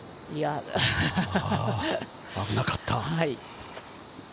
危なかった。